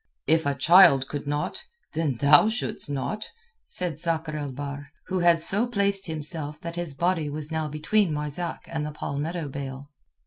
"If a child could not, then thou shouldst not," said Sakr el Bahr, who had so placed himself that his body was now between Marzak and the palmetto bale.